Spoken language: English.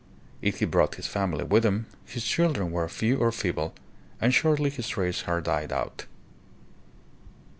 If he brought his family with him, his children were few or feeble and shortly his race had died out.